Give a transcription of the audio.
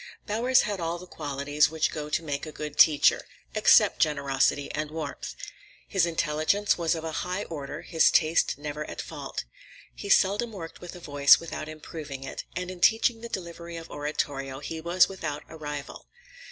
Bowers had all the qualities which go to make a good teacher—except generosity and warmth. His intelligence was of a high order, his taste never at fault. He seldom worked with a voice without improving it, and in teaching the delivery of oratorio he was without a rival.